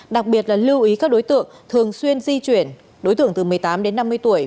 đặc biệt là lưu ý các đối tượng thường xuyên di chuyển đối tượng từ một mươi tám đến năm mươi tuổi